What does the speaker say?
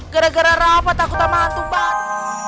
gara gara rafa takut sama hantu badut